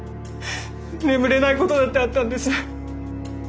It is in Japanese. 眠れないことだってあったんです。